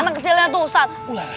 anak kecilnya tuh ustadz